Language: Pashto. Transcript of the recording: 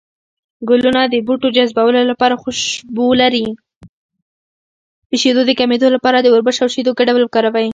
د شیدو د کمیدو لپاره د وربشو او شیدو ګډول وکاروئ